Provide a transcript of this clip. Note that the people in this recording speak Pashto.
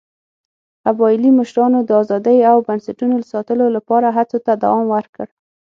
قبایلي مشرانو د ازادۍ او بنسټونو ساتلو لپاره هڅو ته دوام ورکړ.